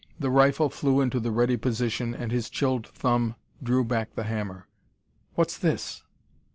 The rifle flew into the ready position and his chilled thumb drew back the hammer. "What's this?"